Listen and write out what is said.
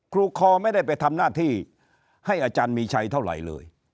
ครูคอไม่ได้ไปทำหน้าที่ให้อาจารย์มีชัยเท่าไหร่เลย